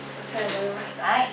はい。